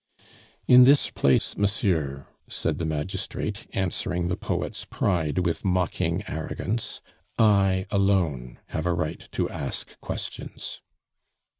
"In this place, monsieur," said the magistrate, answering the poet's pride with mocking arrogance, "I alone have a right to ask questions."